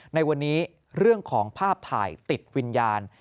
ในวันนี้เรื่องของภาพถ่ายติดวิญญาณ